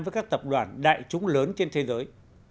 với các tập đoàn đại chúng lớn trên thế giới